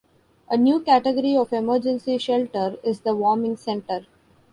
A newer category of emergency shelter is the warming center.